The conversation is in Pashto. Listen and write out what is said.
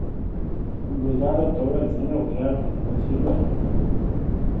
ګلداد ورته وویل: څنګه هوښیار دی، تفصیل ورکړه؟